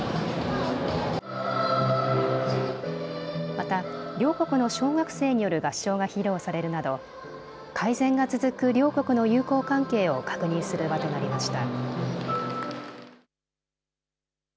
また両国の小学生による合唱が披露されるなど改善が続く両国の友好関係を確認する場となりました。